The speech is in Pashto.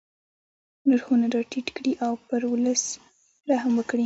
نرخونه را ټیټ کړي او پر ولس رحم وکړي.